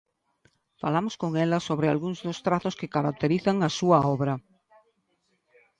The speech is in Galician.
Falamos con ela sobre algúns dos trazos que caracterizan a súa obra.